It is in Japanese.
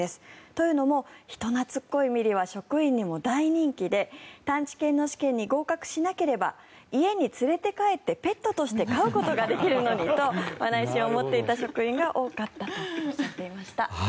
というのも人懐っこいミリは職員にも大人気で探知犬の試験に合格しなければ家に連れ帰ってペットとして飼うことができるのにと内心思っていた職員が多かったとおっしゃっていました。